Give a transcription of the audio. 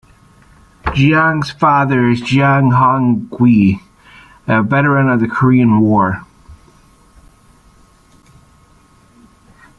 Jiang's father is Jiang Hongqi, a veteran of the Korean War.